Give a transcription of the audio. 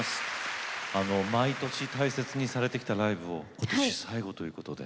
毎年大切にされてきたライブを今年最後ということで。